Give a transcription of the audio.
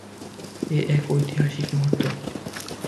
এ এক ঐতিহাসিক মুহূর্ত!